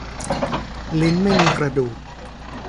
ลิ้นไม่มีกระดูก